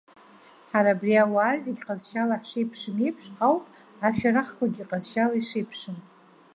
Ҳара абри ауаа зегьы ҟазшьала ҳшеиԥшым еиԥш ауп, ашәарахқәагьы ҟазшьала ишеиԥшым.